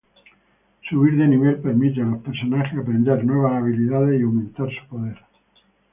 Subir de nivel permite a los personajes aprender nuevas habilidades y aumentar su poder.